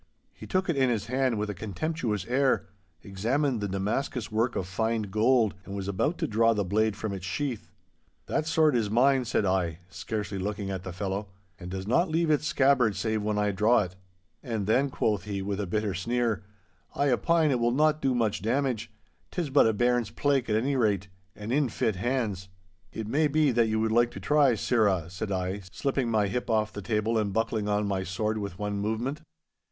He took it in his hand with a contemptuous air, examined the Damascus work of fine gold, and was about to draw the blade from its sheath. 'That sword is mine,' said I, scarcely looking at the fellow, 'and does not leave its scabbard save when I draw it.' 'And then,' quoth he, with a bitter sneer, 'I opine it will not do much damage. 'Tis but a bairn's plaik at any rate! And in fit hands!' 'It may be that you would like to try, sirrah,' said I, slipping my hip off the table and buckling on my sword with one movement.